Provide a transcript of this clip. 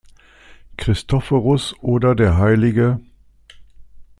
Christophorus oder der hl.